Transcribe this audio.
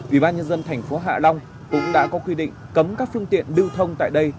ủy ban nhân dân thành phố hạ long cũng đã có quy định cấm các phương tiện lưu thông tại đây